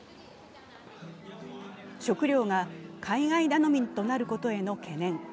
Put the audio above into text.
食料が海外頼みとなることへの懸念。